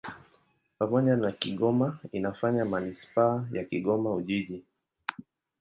Pamoja na Kigoma inafanya manisipaa ya Kigoma-Ujiji.